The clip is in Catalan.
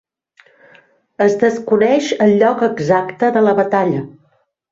Es desconeix el lloc exacte de la batalla.